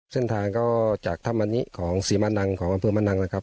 เส้นทางก็จากท่ามันนี่ของสีมะนังของอำเภอมะนังนะครับ